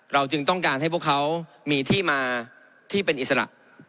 จึงต้องการให้พวกเขามีที่มาที่เป็นอิสระ